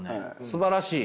すばらしい。